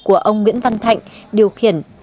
của ông nguyễn văn thạnh điều khiển